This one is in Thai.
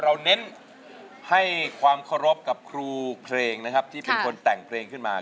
เน้นให้ความเคารพกับครูเพลงนะครับที่เป็นคนแต่งเพลงขึ้นมา